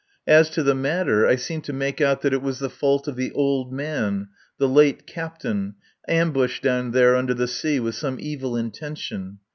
As to the matter, I seemed to make out that it was the fault of the "old man" the late captain ambushed down there under the sea with some evil intention.